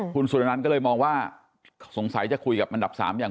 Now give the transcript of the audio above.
คือส่วนนั้นก็เลยมองว่าสงสัยจะคุยกับอันดับสามอย่าง